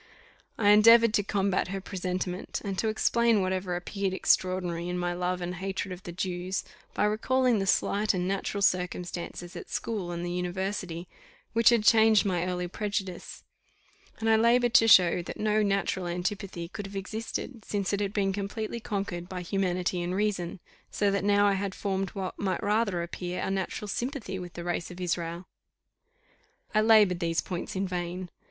I endeavoured to combat her presentiment, and to explain whatever appeared extraordinary in my love and hatred of the Jews, by recalling the slight and natural circumstances at school and the university, which had changed my early prejudice; and I laboured to show that no natural antipathy could have existed, since it had been completely conquered by humanity and reason; so that now I had formed what might rather appear a natural sympathy with the race of Israel. I laboured these points in vain.